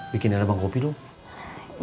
bikinnya ada bang kopi dulu